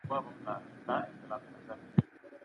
له سړک څخه د تیریدو پر مهال دواړه خواوې وګورئ.